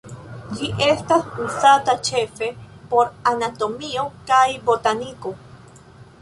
Ĝi estas uzata ĉefe por anatomio kaj botaniko.